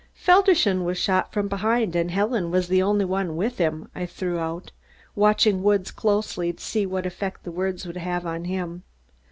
"Felderson was shot from behind and Helen was the only one with him," I threw out, watching Woods closely to see what effect my words would have on him.